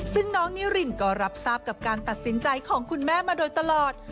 ซึ่งน้องนิรินก็รับทราบกับการตัดสินใจของคุณแม่มาโดยตลอด